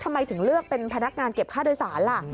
ทำไมถึงเลือกเป็นพนักงานเก็บค่าโดยสารล่ะ